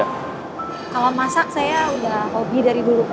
sekolah masak saya udah hobi dari dulu